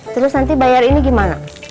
terus nanti bayar ini gimana